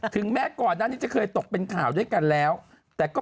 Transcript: ถึงแม้ก่อนหน้านี้จะเคยตกเป็นข่าวด้วยกันแล้วแต่ก็